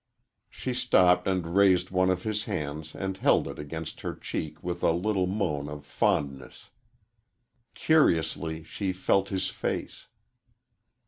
She stopped and raised one of his hands and held it against her cheek with a little moan of fondness. Curiously she felt his face.